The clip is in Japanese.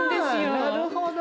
なるほど。